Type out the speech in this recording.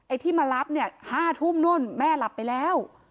ที่มารับเนี่ย๕ทุ่มนู่นแม่หลับไปแล้ว